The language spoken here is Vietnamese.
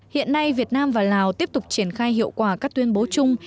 hiện nay việt nam và lào tiếp tục triển khai hiệu quả các tuyên bố chung